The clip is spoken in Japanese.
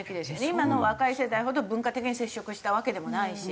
今の若い世代ほど文化的に接触したわけでもないし。